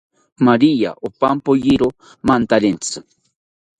Maria opankayiro mantarentzi